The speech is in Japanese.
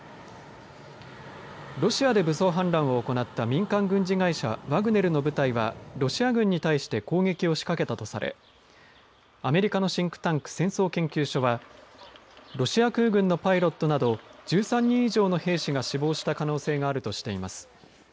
ロシアで武装反乱を行った民間軍事会社ワグネルの部隊はロシア軍に対して攻撃を仕掛けたとされアメリカのシンクタンク戦争研究所はロシア空軍のパイロットなど１３人以上の兵士が死亡した可能性があるとしています。